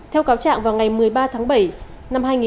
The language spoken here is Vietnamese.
theo cáo trạng vào ngày một mươi ba tháng bảy